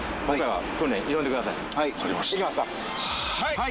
はい。